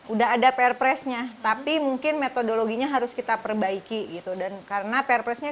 udah ada pr pressnya tapi mungkin metodologinya harus kita perbaiki gitu dan karena pr pressnya